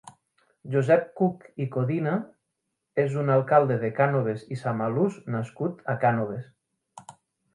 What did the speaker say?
Josep Cuch i Codina és un alcalde de Cànoves i Samalús nascut a Cànoves.